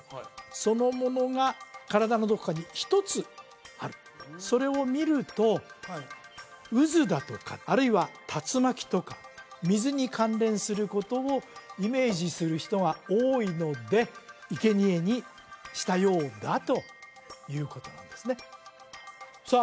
そのものが体のどこかに一つあるそれを見ると渦だとかあるいは竜巻とか水に関連することをイメージする人が多いので生贄にしたようだということなんですねさあ